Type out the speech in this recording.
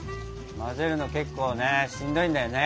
混ぜるの結構ねしんどいんだよね。